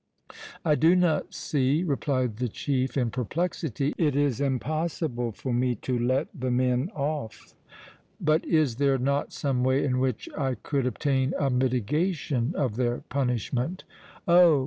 "I do not see," replied the chief, in perplexity. "It is impossible for me to let the men off." "But is there not some way in which I could obtain a mitigation of their punishment?" "Oh!